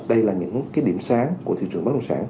và đây là những điểm sáng của thị trường bất động sản